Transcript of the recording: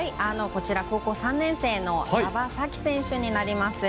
高校３年生の馬場咲希選手になります。